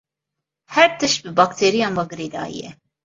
Her tişt bi bakteriyan ve girêdayî ye.